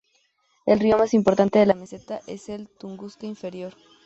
El río más importante de la meseta es el Tunguska Inferior.